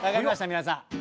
皆さん。